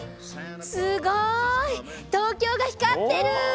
すごい！東京が光ってる！